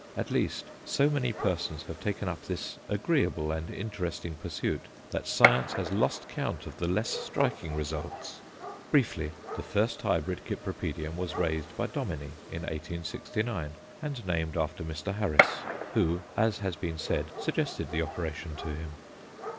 At least, so many persons have taken up this agreeable and interesting pursuit that science has lost count of the less striking results. Briefly, the first hybrid Cypripedium was raised by Dominy, in 1869, and named after Mr. Harris, who, as has been said, suggested the operation to him.